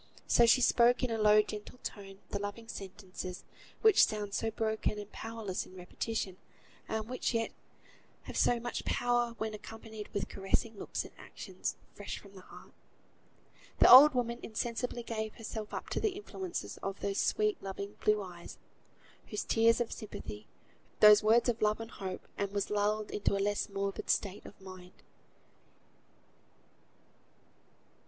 So she spoke in a low gentle tone the loving sentences, which sound so broken and powerless in repetition, and which yet have so much power when accompanied with caressing looks and actions, fresh from the heart; and the old woman insensibly gave herself up to the influence of those sweet, loving blue eyes, those tears of sympathy, those words of love and hope, and was lulled into a less morbid state of mind.